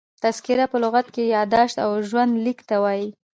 تذکره په لغت کښي یاداشت او ژوند لیک ته وايي.